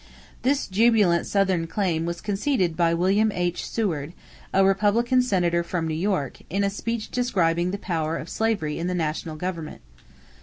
This jubilant Southern claim was conceded by William H. Seward, a Republican Senator from New York, in a speech describing the power of slavery in the national government.